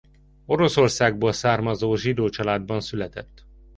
Oroszországból származó zsidó családban született.